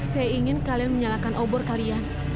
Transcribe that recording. saya ingin kalian menyalakan obor kalian